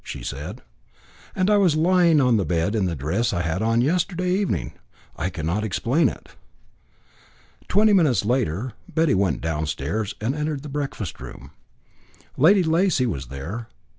she said; "and I was lying on the bed in the dress I had on yesterday evening. I cannot explain it." Twenty minutes later, Betty went downstairs and entered the breakfast room. Lady Lacy was there.